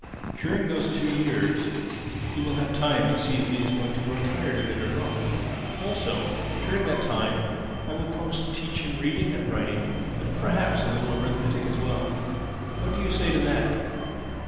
During those two years he will have time to see if he is going to grow tired of it or not. Also during that time, I will promise to teach him reading and writing and perhaps a little arithmetic as well. What do you say to that?"